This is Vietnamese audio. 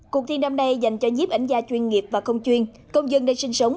cuộc thi năm nay dành cho nhiếp ảnh gia chuyên nghiệp và công chuyên công dân đang sinh sống